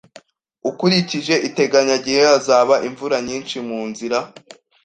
Ukurikije iteganyagihe, hazaba imvura nyinshi mu nzira